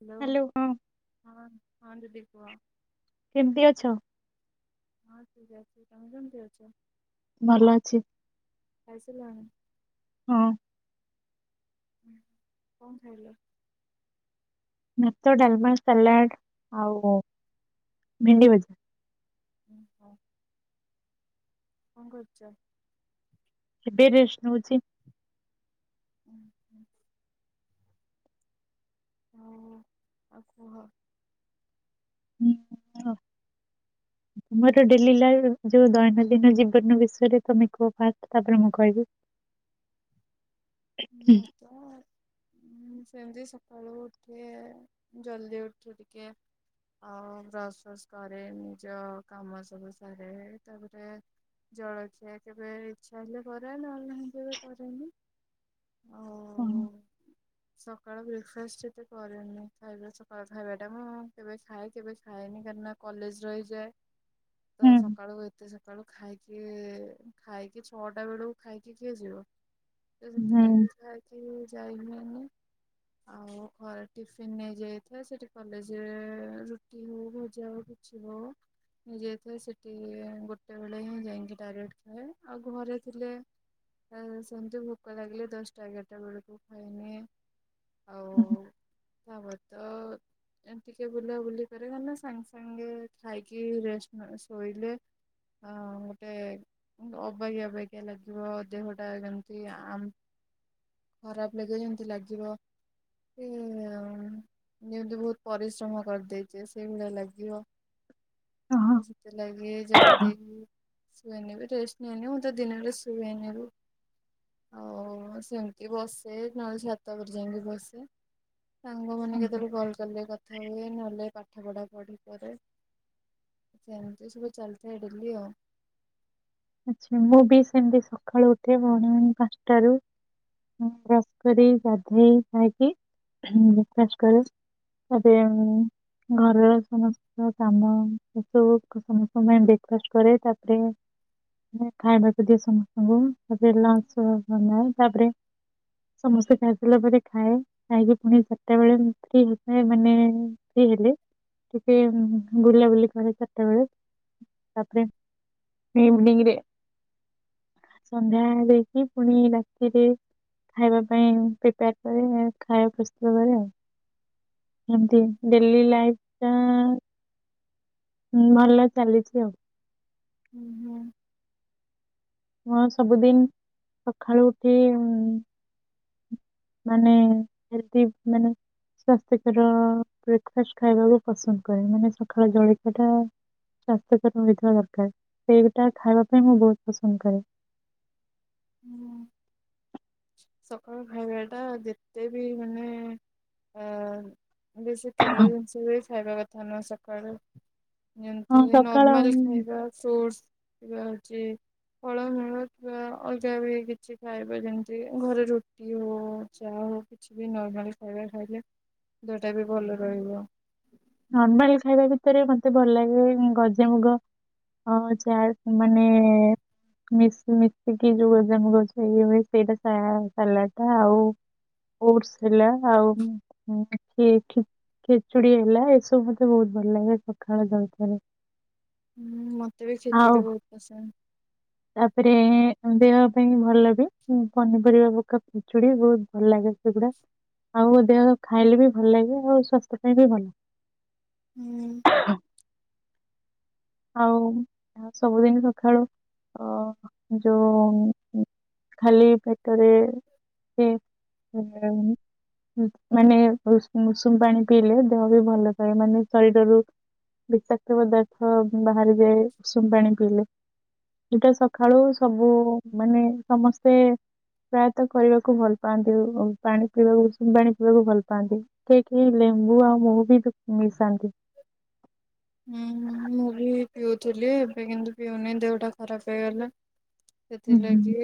Hello hello ହଁ। ହଁ ଦିଦି ହଁ ଦିଦି କୁହ। କେମିତି ଅଛ? ହଁ ଠିକ ଅଛି ତମେ କେମତି ଅଛ? ଭଲ ଅଛି। ଖାଇସରିଲଣି? ହଁ। ହୁଁ କଣ ଖାଇଲ? ଭାତ ଡାଲମା ସାଲାଟ ଆଉ ଭେଣ୍ଡି ଭଜା। ଓହୋ। କଣ କରୁଚ? ଏବେ ରେଷ୍ଟେ ନଉଚି। ଉଁ ହୁଁ। ହଉ ଆଉ କୁହ ହୁଁ କୁହ [inaudible] ମୋର ଡେଲି ଲାଇଫ ଯୋଉ ଦୈନନ୍ଦିନ ଜୀବନ ବିଷୟରେ ତମେ କୁହ ଫାଷ୍ଟ ତାପରେ ମୁଁ କହିବି [unintelligible] ହୁଁ। କୁହ ଉଁ ସେମିତି ସକାଳୁ ଉଠେ ଜଲଦି ଉଠେ ଟିକେ ଆଉ ବ୍ରସ ଫସ୍ କରେ ନିଜ କାମ ସବୁ ସାରେ ତାପରେ ଜଳଖିଆ କେବେ ଇଛା ହେଲେ କରେ ନହେଲେ ନାହିଁ କେବେ କରେନି। କଣ। ଆଉ ସକାଳ ବ୍ରେକଫାଷ୍ଟ ଟା ଏତେ କରେନି ମୁ ଖାଇବା ସକାଳୁ ଖାଇବା ଟା ମୁଁ କେବେ ଖାଏ କେବେ ଖାଏନି କାହିଁକିନା କଲେଜ ରହିଯାଏ ତ ହୁଁ ସକାଳୁ ଏତେ ସକାଳୁ ଖାଇକି କିଏ ଖାଇକି ଛଅଟା ବେଳକୁ ଖାଇକି କିଏ ଯିବ। ହୁଁ ଥିଲେବି ଖାଇକି ଯାଇ ହୁଏନି। ଆଉ ଘର ଟିଫିିନ ନେଇଯାଇଥାଏ ସେଠି କଲେଜରେ ରୁଟି ହଉ ଭଜା ହଉ କିଛିବି ହଉ ନେଇ ଯାଇଥାଏ ସେଠି ଗୋଟେବେଳେ ହିଁ ଯାଇକି ଡାଇରେକ୍ଟ ଖାଏ ଆଉ ଘରେ ଥିଲେ ଆମେ ସେମିତି ଭୋକ ଲାଗିଲେ ଦଶଟା ଏଗାରଟା ବେଳକୁ ଖାଇନିଏ। ଆଉ ହୁଁ, ତାପରେ ତ ଏମ ଟିକେ ବୁଲାବୁଲି କରେ ହେଲେ ସାଙ୍ଗେ ସାଙ୍ଗେ ଖାଇକି ରେଷ୍ଟ ନେ ଶୋଇଲେ ହଁ ଗୋଟେ ଅବାକିଆ ଅବାକିଆ ଲାଗିବ ଦେହ ଟା ଯେମତି ଆଉ ଆମ ଖରାପ ଲାଗିବ ଯେମିତି ଲାଗିବକି ଯେମିତି ବହୁତ ପରିଶ୍ରମ କରିଦେଛି ସେଇଭଳିଆ ଲାଗିବ। ହଁ। ତ ସେଥି ଲାଗି ଜଲଦି ଶୁଏନିବି ରେଷ୍ଟ ନିଏନିବି ଆଉ ତ ଦିନବେଳେ ଶୁଏନିବି। ଆଉ ସେମିତି ବସେ ନହେଲେ ଛାତ ଉପରେ ଯାଇକି ବସେ। ସାଙ୍ଗମାନେ ହଁ। କେତେବେଳେ କଲ କଲେ କଥା ହୁଏ ନହେଲେ ପାଠ ପଢା କରେ। ସେମିତି ସବୁ ଚାଲିଥାଏ ଡେଲି ଆଉ ଆଛା ମୁଁ ବି ସେମିତି ସକାଳୁ ଉଠେ ମନିଙ୍ଗି ପାଞ୍ଚଟରୁ ବ୍ରସ କରି ଗାଧେଇ ଖାଇକି ବ୍ରେକଫାଷ୍ଟ କରେ। ତାପରେ ହୁଁ ଘରର ସମସ୍ତ କାମ ସବୁ ସମସ୍ତଙ୍କ ପାଇଁ ବ୍ରେକ୍ଫାଷ୍ଟ କରେ ତାପରେ ମୁ ଖାଇବାକୁ ଦିଏ ସମସ୍ତଙ୍କୁ ପିଲା ଆସିବେ ମାନେ ତାପରେ ସମସ୍ତେ ଖାଇସାରିଲା ପରେ ଖାଏ। ଖାଇକ ପୁଣି ସେତେବେଳେ ଫ୍ରି ହେଇଥାଏ ମାନେ ଫ୍ରୀ ହେଲେ। ଟିକେ ବୁଲାବୁଲି କରେ କେତେ ବେଳେ ତାପରେ। ଇଭିନିଂରେ ସନ୍ଧ୍ୟାରେକି ପୁଣି ରାତିରେ। ଖାଇବା ପାଇଁ ପ୍ରିପୟାର କରେ ଖାଇବା ପ୍ରସ୍ତୁତ କରେ ଆଉ। ଏମତି ଡେଲି ଲାଇଫ ଟା। ହଁ ଭଲ ଚାଲିଛି ଆଉ। ହୁଁ ହୁଁ। ହଁ ସବୁଦିନ ସକାଳୁ ଉଠି ଉ। ମାନେ ଏଇ ମାନେ। ସ୍ୱାସ୍ଥ୍ୟକର ବ୍ରେକ୍ଫାଷ୍ଟ ଖାଇବାକୁ ପସନ୍ଦ କରେ ମାନେ ସକାଳ ଜଳଖିଆଟା। ସ୍ୱାସ୍ଥ୍ୟ କ୍ଷମ ହେଇଥିବା ଦରକାର ସେଇଗୁଟା ଖାଇବା ପାଇଁ ମୁଁ ବହୁତ ପସନ୍ଦ କରେ। ହୁଁ ସକାଳୁ ଖାଇବାଟା ଯେତେ ବି ମାନେ ଆଁ। ବେଶୀ ତେଲ ଜିନିଷ ବି ଖାଇବା କଥା ନୁହେଁ ସକାଳୁ। ହଁ ଯେମିତି ସକାଳ ନର୍ମାଲ ଖାଇବା ଫ୍ରୁଟସ୍। କି ହଉଛି ଫଳ ମୂଳ ଚୂଳ ଆଉ ଯାହାବି କିଛି ଖାଇବା ଜିନିଷ। ଘରେ ରୁଟି ହଉ ଚା ହଉ କିଛି ବି ନର୍ମାଲି ଖାଇବା ଖାଇଲେ। ଦେହଟା ବି ଭଲ ରହିବ। ନର୍ମାଲ ଖାଇବା ଭିତରେ ମତେ ଭଲ ଲାଗେ ଗଜାମୁଗ। ହ ଯାରସ ମାନେ। ମିଶି ମିଶିକି ଯୋଉ ଗଜାମୁଗ ଗଛ ହେଇ ହୁଏ ସେଇଟା ସାଲଟ ଆଉ। ଫୁଡସୁ ହେଲା ଆଉ ଖିଚୁଡି ହେଲା। ସେ ମତେ ବହୁତ ଭଲ ଲାଗେ ସକାଳ ଜଳଖିଆରେ। ହୁଁ ମତେ ବି ଆଉ ଖେଚୁଡ଼ି ବହୁତ ପସନ୍ଦ। ତାପରେ ଦେହ ପାଇଁ ଭଲ ବି ପନିପରିବା ପକା ଖିଚୁଡି ବହୁତ ଭଲ ଲାଗେ ସେଗୁଡା। ଆଉ ଦେହ ଖାଇଲେ ବି ଭଲ ଲାଗେ ଆଉ ସ୍ୱାସ୍ଥ୍ୟ ପାଇଁ ବି ଭଲ। ହୁଁ ଆଉ ସବୁଦିନ ସଖାଳୁ। ଅ ଯୋଉ ଖାଲି ପେଟରେ ହେ [inaudible] ମାନେ ଉଷୁମ ଉଷୁମ ପାଣି ପିଇଲେ ଦେହ ବି ଭଲ ଥାଏ ମାନେ ଶରୀରରୁ। ବିଷାକ୍ତ ପଦାର୍ଥ ବାହାରିଯାଏ ଉଷୁମ ପାଣି ପିଇଲେ। ଯୋଉଟା ସକାଳୁ ସବୁ ମାନେ ସମସ୍ତେ। ପ୍ରାୟତଃ କରିବାକୁ ଭଲ ପାଆନ୍ତି ଉ ପାଣି ପିଇବାକୁ ଉଷୁମ ପାଣି ପିଇବାକୁ ଭଲ ପାଆନ୍ତି। କେହି କେହି ଲେମ୍ବୁ ଆଉ ମହୁ ବି ମିଶାନ୍ତି। ହୁଁ ମୁଁ ବି ପିଉଥିଲି ଏବେ କିନ୍ତୁ ପିଉନି ଦେହଟା ଖରାପ ହେଇଗଲା। ହୁଁ ହୁଁ। ସେଥିଲାଗି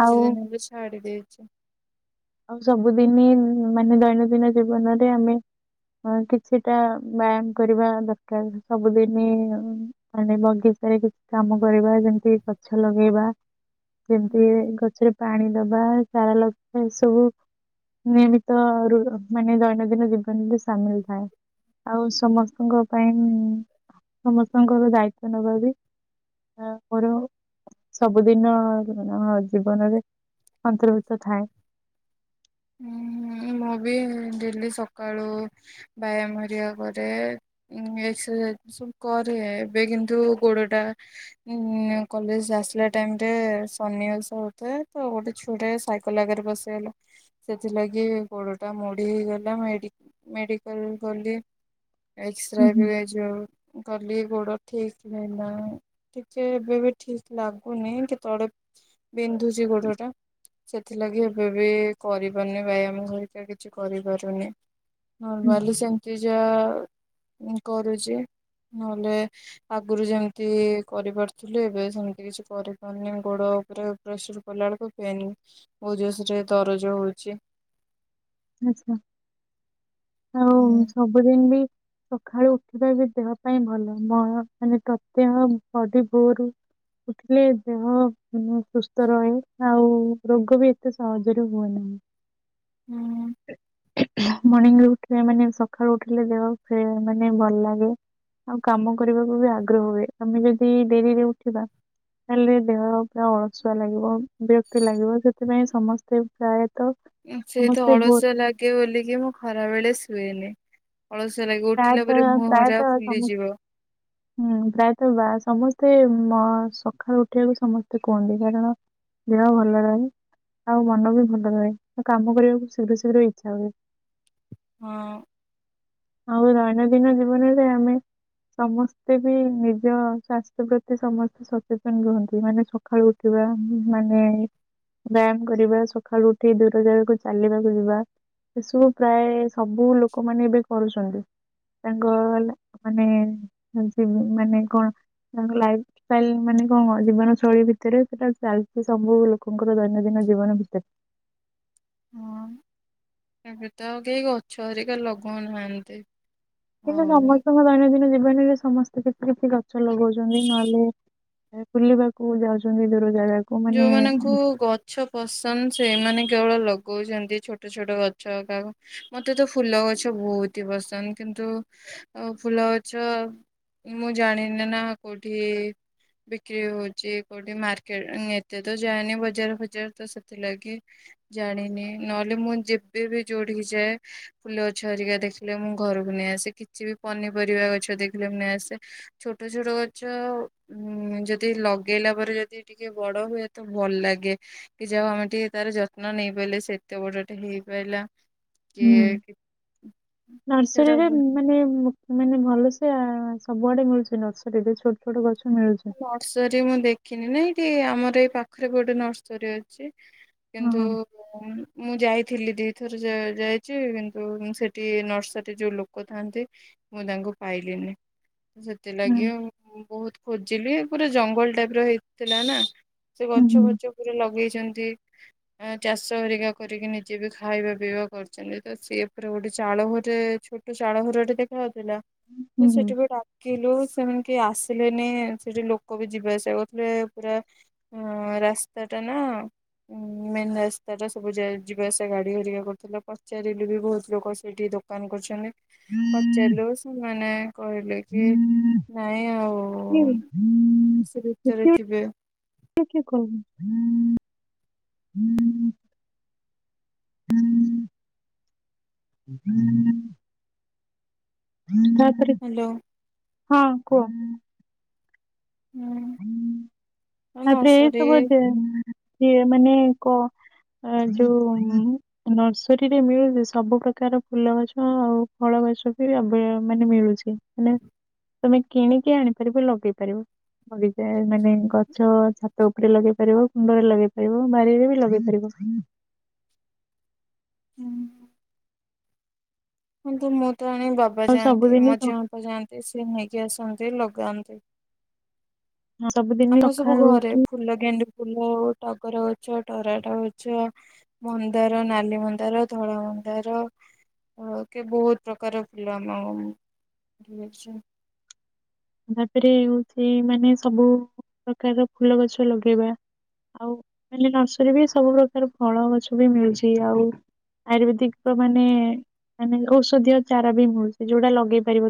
ଆଉ ଦିନ ବି ଛାଡି ଦେଇଛି। ସବୁଦିନ ମାନେ ଦୈନନ୍ଦିନ ଜୀବନରେ ଆମେ। ହଁ କିଛିଟା ବ୍ୟାୟାମ କରିବା ଦରକାର ସବୁଦିନ। ମାନେ ବଗିଚାରେ କିଛି କାମ କରିବା ଯେମିତି ଗଛ ଲଗେଇବା। ଯେମିତି ହୁଁ ଗଛରେ ପାଣି ଦବା ଚାରା ଲଗାଇବା ଏସବୁ। ସବୁ ନିୟମିତ ରୁଲ ମାନେ ଦୈନନ୍ଦିନ ଜୀବନରେ ସାମିଲ ଥାଏ। ଆଉ ସମସ୍ତଙ୍କ ପାଇଁ ସମସ୍ତଙ୍କର ଦାୟିତ୍ଵ ନେବା ବି। [unintelligible] ସବୁଦିନ ଅଁ ଜୀବନରେ ଅନ୍ତର୍ଭୁକ୍ତ ଥାଏ। ଉଁହୁ ମୁଁ ବି ଡେଲି ସକାଳୁ ବ୍ୟାୟାମ ହେରିକା କରେ। ଏକ୍ସରସାଇଜ ସବୁ କରେ, ଏବେ କିନ୍ତୁ ଗୋଡ ଟା ଉ କଲେଜ ଆସିଲା ଟାଇମ ରେ, ସନିବାସ ହଉଥାଏ, ତ ଗୋଟେ ଛୁଆଟେ ସାଇକଲ କଲଆଗରେ ପଶିଗଲା ସେଥିଲାଗି ଗୋଡ ଟା ମୋଡି ହେଇଗଲା, ମେଡି ମେଡିକାଲ ଗଲି। ଏକ୍ସରେ ହୁଁ ହୁଁ ବି ଏଯୋଉ କଲି, ଗୋଡ ଠିକ ହେଲାନି। ଟିକେ ଏବେ ବି ଠିକ ଲାଗୁନି, କେତେବେଳେ ବିନ୍ଧୁଛି ଗୋଡ ଟା, ସେଥିଲାଗି ଏବେ ବି କରିପାରୁନି ବ୍ୟାୟାମ ହେରିକା କିଛି କରିପାରୁନି, ହୁଁ ନର୍ମାଲି ସେମତି ଯା, କରୁଚି, ନହେଲେ ଆଗରୁ ଯେମିତି କରିପାରୁଥିଲି, ଏବେ ସେମତି କିଛି କରିପାରୁନି, ଗୋଡ ଉପରେ ପ୍ରେସୂର୍ କଲା ବେଳକୁ, ପେନ୍, ବହୁ ଜୋର୍ ସେ ଦରଜ ହଉଚି। ଆଛା, ଆଉ ହୁଁ ସବୁଦିନ ବି ସକାଳୁ ଉଠିବା ବି ଦେହ ପାଇଁ ଭଲ, ମ ମାନେ ପ୍ରତ୍ୟହ ବଡି ଭୋରୁ ଉଠିଲେ ଦେହେ ହ ସୁସ୍ଥ ରହେ, ଆଉ ରୋଗ ବି ଏତେ ସହଜରେ ହୁଏ ନାହିଁ। ହୁଁ ମର୍ଣ୍ଣି ରେ ଉଠିବେ ମାନେ, ସକାଳୁ ଉଠିଲେ, ଦେହ ଫେ ମାନେ ଭଲ ଲାଗେ। ଆଉ କାମ କରିବାକୁ ବି ଆଗ୍ରହ ହୁଏ। ଆମେ ଯଦି ଡେରିରେ ଉଠିବା ତାଲେ ଦେହ ପୁରା ଅଳସୁଆ ଲାଗିବ, ବିରକ୍ତି ଲାଗିବ, ସେଥିପାଇଁ ସମସ୍ତେ ପ୍ରାୟତଃ ସେଇତ ସମସ୍ତେ ଭୋର ଅଳସୁଆ ଲାଗେ ବୋଲିକି ମୁଁ ଖରା ବେଳେ ଶୁଏନି। ଅଳସୁଆ ଲାଗେ, ଉଠିଲା ପ୍ରାୟତଃ ପରେ ମୁହଁ ପ୍ରାୟତଃ ଯାକ ସମ ଫୁଲିଯିବ। ପ୍ରାୟତଃ ବା ସମସ୍ତେ ମ ସକାଳୁ ଉଠିବାକୁ ସମସ୍ତେ କୁହନ୍ତି, କାରଣ ଦେହ ଭଲ ରହେ, ଆଉ ମନ ବି ଭଲ ରହେ, କାମ କରିବାକୁ ଶୀଘ୍ର ଶୀଘ୍ର ଇଛା ହୁଏ। ହଁ ଆଉ ଦୈନନ୍ଦିନ ଜୀବନରେ ଆମେ ସମସ୍ତେ ବି ନିଜ ସ୍ୱାସ୍ଥ୍ୟ ପ୍ରତି ସମସ୍ତେ ସଚେତନ ରୁହନ୍ତି, ମାନେ ସ ସକାଳୁ ଉଠିବା ମାନେ ବ୍ୟାୟାମ କରିବା, ସକାଳୁ ଉଠି ଦୂର ଜାଗାକୁ ଚାଲିବାକୁ ଯିବା ଏସବୁ ପ୍ରାୟ, ସବୁ ଲୋକମାନେ ଏବେ କରୁଚନ୍ତି। ତାଙ୍କ ହେଲା ମାନେ, ମାନେ କଣ ତାଙ୍କ ଲାଇଫ୍ ଚାଲ, ମାନେ କଣ ଜୀବନ ଶୈଳୀ ଭିତରେ, ସେଟା ଚାଲିଛି ସବୁ ଲୋକଙ୍କର ଦୈନନ୍ଦିନ ଜୀବନ ଭିତରେ। ହଁ, ଏବେ ତ ଆଉ କେହି ଗଛ ହେରିକା ଲଗଉନାହାନ୍ତି। କିନ୍ତୁ ଆଉ ସମସ୍ତଙ୍କ ଦୈନନ୍ଦିନ ଜୀବନରେ ସମସ୍ତେ କିଛି କିଛି ଗଛ ଲଗଉଚନ୍ତି, ନହେଲେ ବୁଲିବାକୁ ଯାଉଚନ୍ତି ଦୂର ଜାଗାକୁ। ମାନେ ଯୋଉମାନଙ୍କୁ ଗ ଗଛ ପସନ୍ଦ, ସେଇମାନେ କେବଳ ଲଗଉଚନ୍ତି ଛୋଟ ଛୋଟ ଗଛ କାହା ମତେ ତ ଫୁଲ ଗଛ ବହୁତ ହି ପସନ୍ଦ, କିନ୍ତୁ ଫୁଲ ଗଛ ମୁଁ ଜାଣିନି ନା, କୋଉଠି ବିକ୍ରି ହଉଚି, କୋଉଠି ମାର୍କେଟ ଏତେ ତ ଯାଏନି ବଜାର ଫଜାର ତ ସେଥିଲାଗି ଜାଣିନି, ନହେଲେ ମୁଁ ଯେବେ ବି ଯୋଉଠିକି ଯାଏ ଫୁଲ ଗଛ ହେରିକା ଦେଖିଲେ ମୁଁ ଘରକୁ ନେଇ ଆସେ, କିଛି ବି ପନିପରିବା ଗଛ ଦେଖିଲେ ମୁଁ ନେଇ ଆସେ। ଛୋଟ ଛୋଟ ଗଛ ଉ ଯଦି ଲଗେଇଲା ପରେ ଯଦି ଟିକେ ବଡ ହୁଏ ତ, ଭଲ ଲାଗେ। କି ଯାହଉ ଆମେ ଟିକେ ତାର ଯତ୍ନ ନେଇ ପାରିଲେ, ସେ ଏତେ ବଡ଼ ଟେ ହେଇପାଇଲା। ହୁଁ କିଏ [unintelligible] ସେଟା ନର୍ସରୀରେ [unintelligible] ମାନେ ମୁ- ମାନେ ଭଲସେ ଆ-ସବୁଆଡେ ମିଳୁଚି ନର୍ସରୀ ରେ ଛୋଟ ଛୋଟ ଗଛ ମିଳୁଚି। ସରୀ ମୁଁ ଦେଖିନି ନାଇ କି ଆମର ଏଇ ପାଖରେ ଗୋଟେ ନର୍ସରୀ ଅଛି ହଁ କିନ୍ତୁ ହଁ ମୁଁ- ମୁଁ ଯାଇଥିଲି ଦିଥର ଯାଇଚି କିନ୍ତୁ ସେଠି ନର୍ସାରୀ ଯଉ ଲୋକ୍ କ ଥାନ୍ତି ମୁଁ ତାଙ୍କୁ ପାଇଲିିନି। ସେଥିଲାଗି ହୁଁ ଉଁ- ବହୁତ୍ ଖୋଜିଲି ପୁରା ଜଙ୍ଗଲ୍ ଟାଇପ୍ ର ହେଇଥିଲା ନା। ସେ ଗଛ ହୁଁ ଫଛ ପୁରା ଲଗେଇଚନ୍ତି ଏଁ- ଚାଷ ହେରିକା କରିକି ନିଜେ ବି ଖାଇବା ପିଇବା କରିଚିନ୍ତି ତ ସିଏ ଉପରେ ଗୋଟେ ଚାଳ ଘରେ ଛୋଟ୍ ଚାଳ ଘରଟେ ଦେଖା ଯାଉଥିଲା ତ ହୁଁ ହୁଁ ହୁଁ ସେଠି ବି ଡାକିଲୁ ସେମାନେ କେହି ଆସିଲେ ନି ସେଠି ଲୋକ ବି ଯିବା ଆସିବା କରୁଥିଲେ ପୁରା ଆ- ରାସ୍ତା ଟା ନା। ଉଁ- ମେନ୍ ରାସ୍ତା ଟା ସବୁ ଯା-ଯିବା ଆସିବା ଗାଡି ହେରିକା କରୁଥିଲା ପଚାରିଲୁ ବି ବହୁତ୍ ଲୋକ ସେଇଠି ଧୋ ଦୋକାନ କରୁଚନ୍ତି ପଚାରିଲୁ ସେମାନେ କହିଲେ କି ନାଇଁ ଆଉ କିଏ [unintelligible] ସେ ଭିତରେ ସେତେବେଳେ ଥିବେ [unintelligible] ହୁଁ [inaudible] ହାଲୋ। ହଁ କୁହ। ହୁଁ ଉଁ- ତାପରେ ଏ ନର୍ସରୀ ସବୁ ଯେ-ଯିଏ ମାନେ କ ଆ ଯଉ ଉଁ- ନର୍ସରୀ ରେ ମିଳୁଚି ସବୁ ପ୍ରକାର ଫୁଲ ଗଛ ଆଉ ଫଳ ଗଛ ବି ଆବି-ମାନେ ମିଳୁଚି। ମାନେ ତମେ କିଣିକି ଛ ଛାତ ଉପରେ ଲଗେଇ ପାରିବ କୁଣ୍ଡରେ ଲଗେଇ ପାରିବ ବାରିରେ ବି ଲଗେଇ ପାରିବ। ହୁଁ। କିନ୍ତୁ ମୁଁ ତ [unintelligible] ବାବା ଆଉ ଯାଆନ୍ତି ସବୁଦିନ ମଝିଆ ସ- ବାବା ଯାଆନ୍ତି ସିଏ ନେଇକି ଆସନ୍ତି ଲଗାନ୍ତି। ସବୁଦିନ ଆମର ସବୁ ସକାଳୁ ଘରେ ଉଠି ଫୁଲ ଗେଣ୍ଡୁ ଫୁଲ ଉ- ଟଗର ଗଛ, ତରାଟ ଗଛ ମନ୍ଦାର, ନାଲି ମନ୍ଦାର, ଧଳା ମନ୍ଦାର ଅ- କି ବହୁତ ପ୍ରକାର ଫୁଲ ଆମ [unintelligible] ତାପରେ ହଉଚି ମାନେ ସବୁ ପ୍ରକାର ଫୁଲ ଗଛ ଲଗେଇବା ଆଉ ମାନେ ନର୍ସରୀ ବି ସବୁ ପ୍ରକାର ଫଳ ଗଛ ବି ମିଳୁଚି ଆଉ ଆୟୁର୍ବେଦିକ୍ ମାନେ ମାନେ ଔଷଧୀୟ ଚାରା ବି ମିଳୁଚି ଯଉଟା ଲଗେଇ ପାରିବ